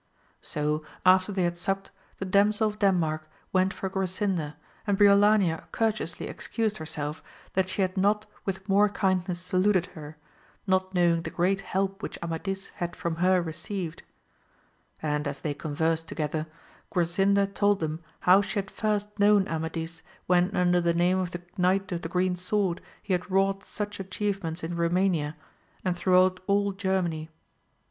So after they had supt, the Damsel of Denmark went for Grasinda, and Briolania cour teously excused herself that she had not with more kindness saluted her, not knowing the great help which Amadis had from her received ; and as they conversed together, Grasinda told them how she had first known Amadis when under the name of the Knight of the Green Sword he had wrought such atchievements in Eomania and throughout all Ger many.